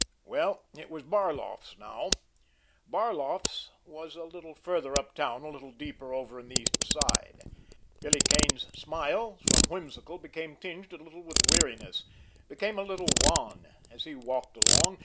Well, it was Barloff's now! Barloff's was a little farther uptown, a little deeper over in the East Side. Billy Kane's smile, from whimsical, became tinged a little with weariness, became a little wan, as he walked along.